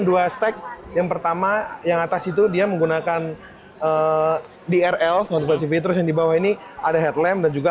dua stek yang pertama yang atas itu dia menggunakan drl snor cv terus yang di bawah ini ada headline dan juga